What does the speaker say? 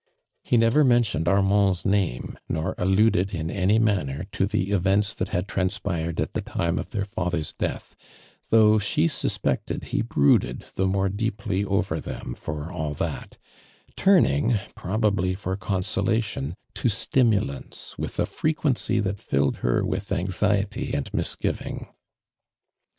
He never mentioned Armand's name, nor alluded hi any manner to the events that had transpired at the time of their father's death, though sho suspected he brooded the more deeply over them for all that, turning, probably for consolation, to stim ulants, with a frequency tliat filled her with anxiety and misgiving.